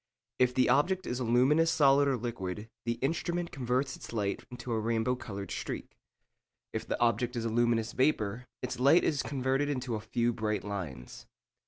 If the object is a luminous solid or liquid, the instrument converts its light into a rainbow coloured streak. If the object is a luminous vapour, its light is converted into a few bright lines.